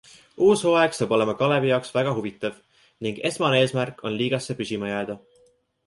Uus hooaeg saab olema Kalevi jaoks väga huvitav ning esmane eesmärk on liigasse püsima jääda.